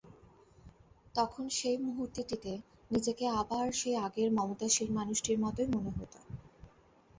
তখন সেই মুহূর্তটিতে নিজেকে আবার সেই আগের মমতাশীল মানুষটির মতোই মনে হত।